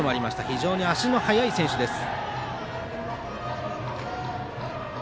非常に足の速い選手です。